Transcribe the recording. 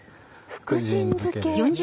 福神漬けですね。